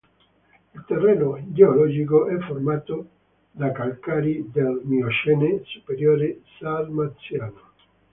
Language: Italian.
Il terreno geologico è formato da calcari del miocene superiore-sarmaziano.